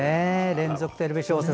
連続テレビ小説